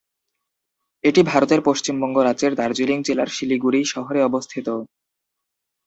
এটি ভারতের পশ্চিমবঙ্গ রাজ্যের দার্জিলিং জেলার শিলিগুড়ি শহরে অবস্থিত।